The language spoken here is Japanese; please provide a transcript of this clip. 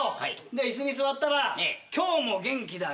で椅子に座ったら「今日も元気だ。